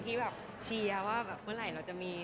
ที่เชียร์ว่าเมื่อไหร่จะมี